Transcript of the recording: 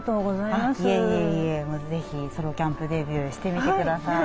いえいえいえ是非ソロキャンプデビューしてみてください。